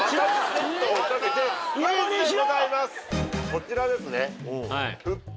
こちらですね。